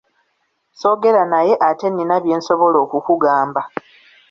Soogera naye ate nina bye nsobola okukugamba.